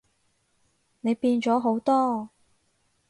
你變咗好多